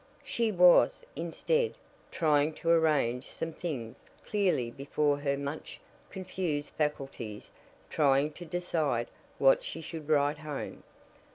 She was, instead, trying to arrange some things clearly before her much confused faculties trying to decide what she should write home.